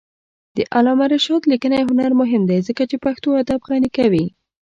د علامه رشاد لیکنی هنر مهم دی ځکه چې پښتو ادب غني کوي.